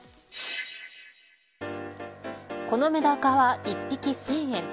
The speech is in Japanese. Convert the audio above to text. このメダカは１匹１０００円。